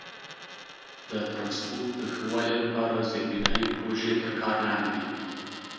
د ترانسپورت د ښه والي لپاره زیربنایي پروژې تر کار لاندې دي.